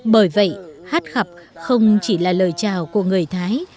bởi vậy hát khập không chỉ là lời chào của người thái